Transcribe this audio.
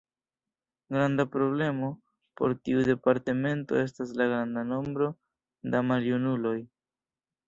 Granda problemo por tiu departemento estas la granda nombro da maljunuloj.